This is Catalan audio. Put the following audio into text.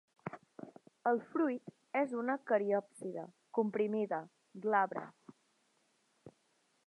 El fruit és una cariòpside, comprimida, glabra.